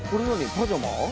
パジャマ？